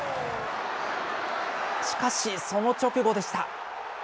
しかし、その直後でした。